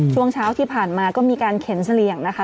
ช่วงเช้าที่ผ่านมาก็มีการเข็นเสลี่ยงนะคะ